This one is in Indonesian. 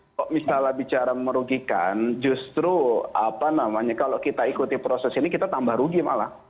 kalau misalnya bicara merugikan justru apa namanya kalau kita ikuti proses ini kita tambah rugi malah